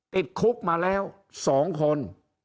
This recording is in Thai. ติดคุกมาแล้ว๒คน